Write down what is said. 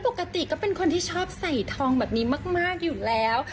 ปกติก็เป็นคนที่ชอบใส่ทองแบบนี้มากอยู่แล้ว